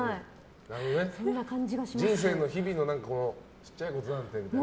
人生の日々の小さいことなんてみたいな。